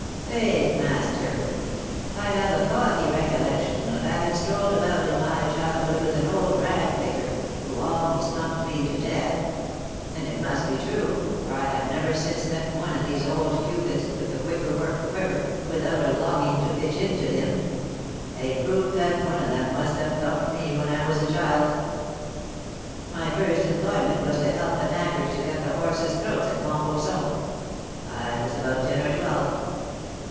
"Faith, master, I have a foggy recollection of having strolled about in my childhood with an old rag picker, who almost thumped me to death; and it must be true, for I have never since met one of these old Cupids, with a wicker work quiver, without a longing to pitch into him, a proof that one of them must have thumped me when I was a child. My first employment was to help the knackers to cut the horses' throats at Montfauçon. I was about ten or twelve.